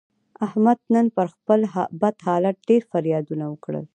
احمد نن پر خپل بد حالت ډېر فریادونه وکړل.